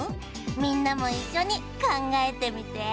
みんなもいっしょにかんがえてみて。